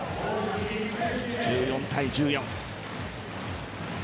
１４対１４。